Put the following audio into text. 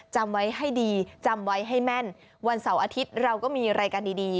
จำไว้ให้ดีจำไว้ให้แม่นวันเสาร์อาทิตย์เราก็มีรายการดี